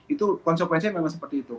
itu konsekuensinya memang seperti itu